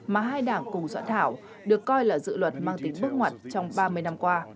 mà hai đảng cùng soạn thảo được coi là dự luật mang tính bước ngoặt trong ba mươi năm qua